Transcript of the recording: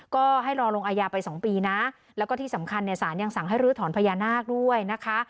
ก็ให้รอลงอายาไป๒ปีนะแล้วก็ที่สำคัญเนี่ยสารยังสั่งให้ลื้อถอนพญานาคด้วยนะคะ